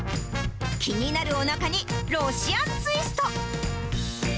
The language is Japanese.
気になるおなかにロシアンツイスト。